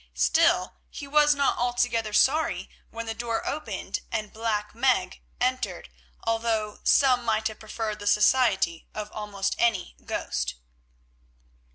Still he was not altogether sorry when the door opened and Black Meg entered, although some might have preferred the society of almost any ghost.